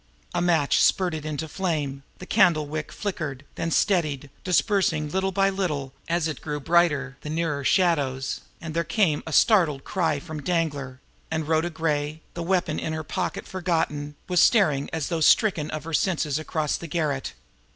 A match spurted into flame; the candle wick flickered, then steadied, dispersing little by little, as it grew brighter, the nearer shadows and there came a startled cry from Danglar and Rhoda Gray, the weapon in her pocket forgotten, was staring as though stricken of her senses across the garret.